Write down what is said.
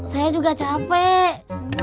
saya juga capek